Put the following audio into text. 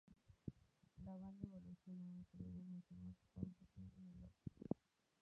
La banda evoluciona a un sonido mucho más pausado y melódico.